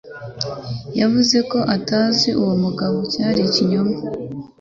Yavuze ko atazi uwo mugabo, cyari ikinyoma.